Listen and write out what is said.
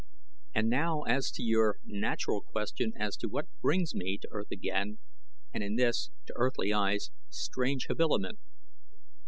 "And now as to your natural question as to what brings me to Earth again and in this, to earthly eyes, strange habiliment.